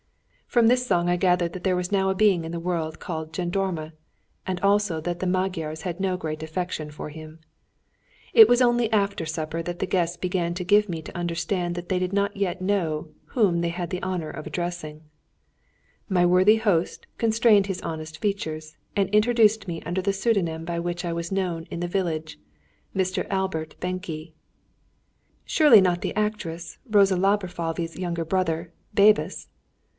From this song I gathered that there was now a being in the world called Gendarme, and also that the Magyars had no very great affection for him. [Footnote 66: Zsandar. The name as well as the thing was quite new to Hungary. TR.] It was only after supper that the guests began to give me to understand that they did not yet know "whom they had the honour of addressing." My worthy host constrained his honest features, and introduced me under the pseudonym by which I was known in the village, "Mr. Albert Benke." "Surely not the actress Rosa Laborfalvy's younger brother, Bebus?"